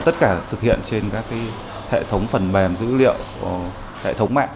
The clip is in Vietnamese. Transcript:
tất cả thực hiện trên các hệ thống phần mềm dữ liệu hệ thống mạng